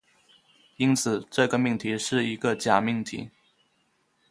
因此，这个命题是一个假命题。